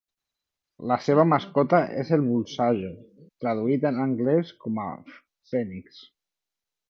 La seva mascota és el bulsajo, traduït en anglès com a "Phoenix".